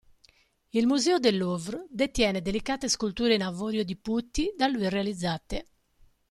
Il Museo del Louvre detiene delicate sculture in avorio di putti da lui realizzate.